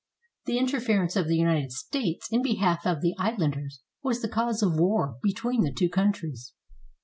The interference of the United States in behalf of the islanders was the cause of war between the two countries.